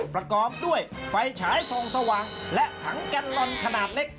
ประกอบด้วยไฟฉายส่องสว่างและถังแกนลอนขนาดเล็ก